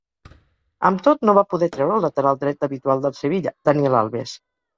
Amb tot, no va poder treure el lateral dret habitual del Sevilla, Daniel Alves.